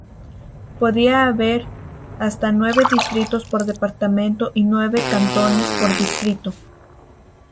Podía haber hasta nueve distritos por departamento y nueve cantones por distrito.